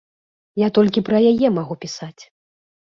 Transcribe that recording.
Я толькі пра яе магу пісаць.